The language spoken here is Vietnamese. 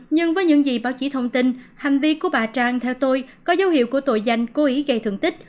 nhưng với những gì báo chí thông tin hành vi của bà trang theo tôi có dấu hiệu của tội danh cố ý gây thương tích